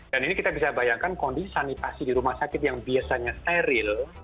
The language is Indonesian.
dan ini kita bisa bayangkan kondisi sanitasi di rumah sakit yang biasanya steril